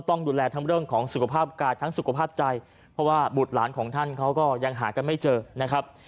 ต้องดูแลทั้งเรื่องของสุขภาพกายทั้งสุขภาพใจเพราะว่าบุตรหลานของท่านเขาก็ยังหากันไม่เจอนะครับ